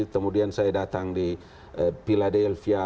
kemudian saya datang di philadelphia